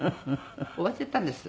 終わっちゃったんです。